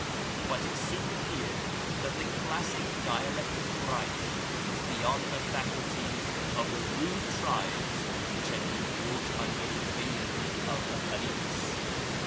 But it soon appeared that the classic dialect of Koraysh was beyond the faculties of the rude tribes which had been brought under the dominion of the Khalifs.